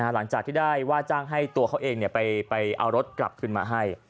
หลังจากที่ได้ว่าจ้างให้ตัวเขาเองไปเอารถกลับขึ้นมาให้